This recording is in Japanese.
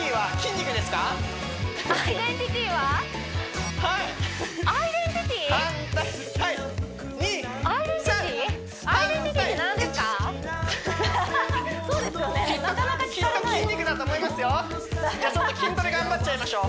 なかなか聞かれないじゃあちょっと筋トレ頑張っちゃいましょう